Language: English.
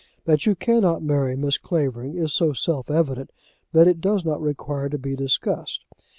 That you cannot marry Miss Clavering is so self evident that it does not require to be discussed.